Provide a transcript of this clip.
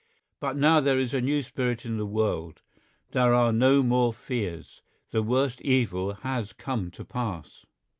But now there is a new spirit in the world. There are no more fears; the worst evil has come to pass.